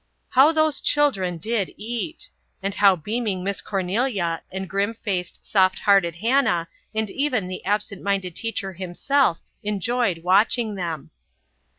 How those children did eat! And how beaming Miss Cornelia and grim faced, soft hearted Hannah and even the absent minded teacher himself enjoyed watching them!